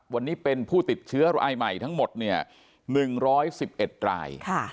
วันนี้เป็นผู้ติดเชื้อรายใหม่ทั้งหมดเนี่ยหนึ่งร้อยสิบเอ็ดราย